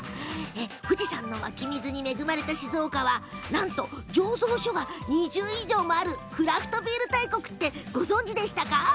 富士山の湧き水に恵まれた静岡はなんと醸造所が２０以上もあるクラフトビール大国ってご存じでしたか？